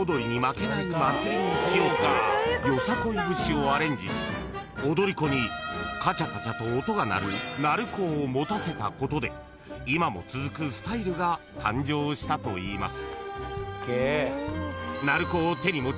［『よさこい節』をアレンジし踊り子にカチャカチャと音が鳴る鳴子を持たせたことで今も続くスタイルが誕生したといいます］